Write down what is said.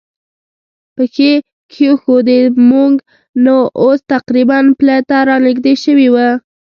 پښې کېښوودې، موږ نو اوس تقریباً پله ته را نږدې شوي و.